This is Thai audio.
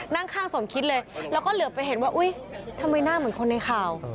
นั่งข้างสมคิดเลยแล้วก็เหลือไปเห็นว่าอุ๊ยทำไมหน้าเหมือนคนในข่าว